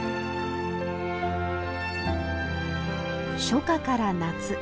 初夏から夏。